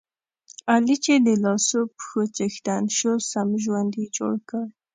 علي چې د لاسو پښو څښتن شو، سم ژوند یې جوړ کړ.